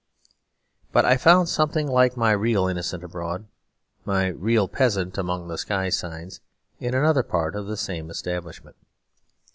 But I found something like my real innocent abroad, my real peasant among the sky signs, in another part of the same establishment.